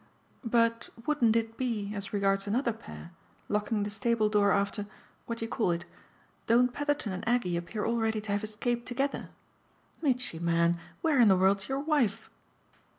"But wouldn't it be, as regards another pair, locking the stable door after what do you call it? Don't Petherton and Aggie appear already to have escaped together? Mitchy, man, where in the world's your wife?"